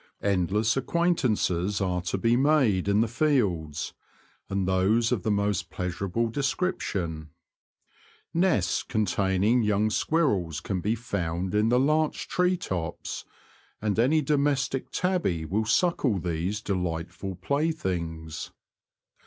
Endless acquaintances are to ' be made in the fields, and those of the most pleasur able description. Nests containing young squirrels can be found in the larch tree tops, and any domestic tabby will suckle these delightful playthings.